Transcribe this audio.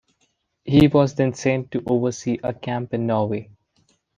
He was then sent to oversee a camp in Norway.